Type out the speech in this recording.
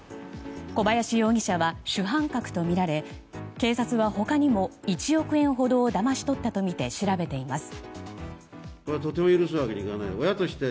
小林容疑者は主犯格とみられ警察は他にも１億円ほどをだまし取ったとみて調べています。